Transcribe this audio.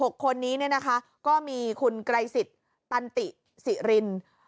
๖คนนี้เนี่ยนะคะก็มีคุณไกรศิษย์ตันติศิรินทร์